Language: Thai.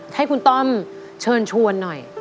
ให้คุณต้อมเชิญชวนหน่อย